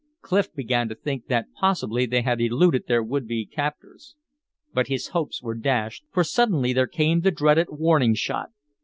Clif began to think that possibly they had eluded their would be captors. But his hopes were dashed, for suddenly there came the dreaded warning shot.